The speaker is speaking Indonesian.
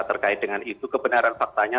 terkait dengan itu kebenaran faktanya